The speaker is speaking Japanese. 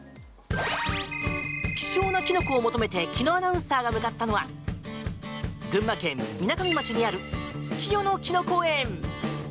希少なキノコを求めて紀アナウンサーが向かったのは群馬県みなかみ町にある月夜野きのこ園。